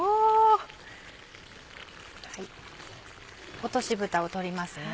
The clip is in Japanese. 落としぶたを取りますね。